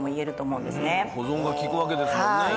保存が利くわけですもんね。